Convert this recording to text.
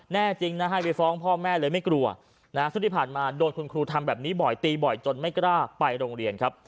แน่จริงนะให้ไปฟ้องพ่อแม่เลยไม่กลัวนะซึ่งที่ผ่านมาโดนคุณครูทำแบบนี้บ่อยตีบ่อยจนไม่กล้าไปโรงเรียนครับ